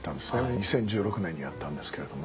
２０１６年にやったんですけれども。